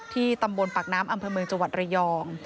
ตำบลปากน้ำอำเภอเมืองจังหวัดระยอง